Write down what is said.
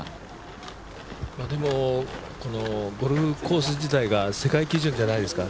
でも、ゴルフコース自体が世界基準じゃないですか。